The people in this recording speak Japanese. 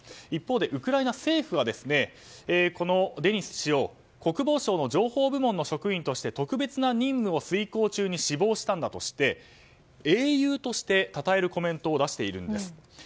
一方でウクライナ政府はこのデニス氏を国防省の情報部門の職員として特別な任務を遂行中に死亡したんだとして英雄としてたたえるコメントを出しているんです。